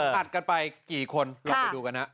อัดกันไปกี่คนลองไปดูกันฮะ